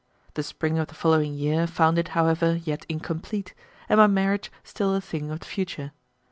The spring of the following year found it, however, yet incomplete, and my marriage still a thing of the future.